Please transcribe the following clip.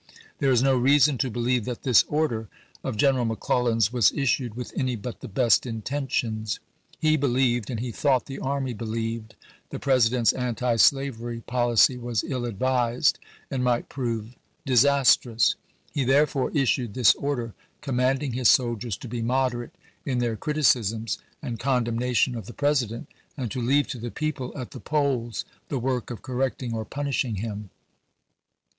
There is no reason to believe that this order of General McClellan's was issued with any but the best intentions. He believed, and he thought the army believed, the President's antislavery policy was ill advised and might prove disastrous. He therefore issued this order com manding his soldiers to be moderate in their criti cisms and condemnation of the President, and to leave to the people at the polls the work of correct ing or punishing him.